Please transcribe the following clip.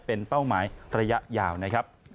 เป็นเป้าหมายระยะยาวนะครับ